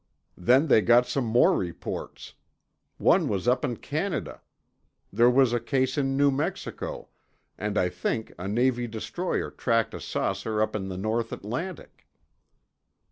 Then they got some more reports. One was up in Canada. There was a case in New Mexico, and I think a Navy destroyer tracked a saucer up in the North Atlantic."